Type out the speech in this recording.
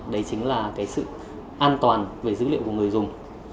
đấy chính là cái sự an toàn về dữ liệu của người dùng